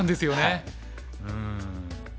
うん。